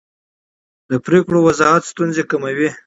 د پرېکړو وضاحت ستونزې کموي